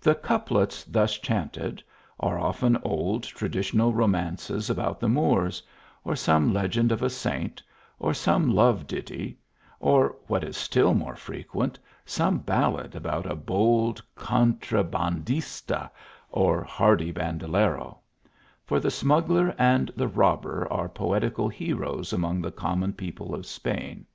The couplets thus chanted are often old traditional romances about the Moors ; or some legend of a saint ; or some love ditty ; or, what is still more frequent, some ballad about a bold contra bandista, or hardy bandalero ; for the smuggler and the robber are poetical heroes among the common people of Spain.